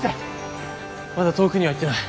まだ遠くには行ってない。